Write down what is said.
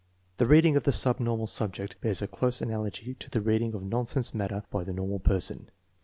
The reading of the subnormal subject bears a close anal ogy to the reading of nonsense matter by the normal person.